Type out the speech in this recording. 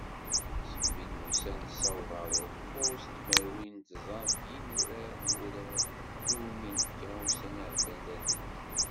Segmi i d-nusa nessaweḍ ɣar ukkuẓ tmerwin d tẓa n yinurar n wurar iwumi nefka ussan iɛeddan tadrimt.